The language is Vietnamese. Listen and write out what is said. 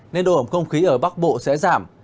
nên độ ẩm không khí ở bắc bộ sẽ giảm